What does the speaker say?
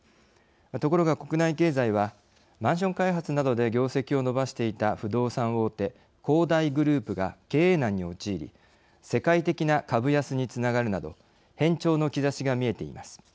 ところが国内経済はマンション開発などで業績を伸ばしていた不動産大手恒大グループが経営難に陥り世界的な株安につながるなど変調の兆しが見えています。